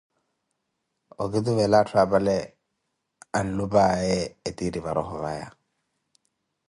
okituvela atthu apale anlupayee ethi eri va roho vaya.